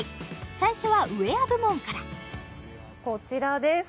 最初はウェア部門からこちらです